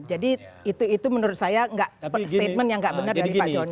jadi itu menurut saya statement yang gak benar dari pak jonny